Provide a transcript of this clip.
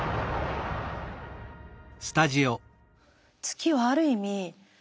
月はある意味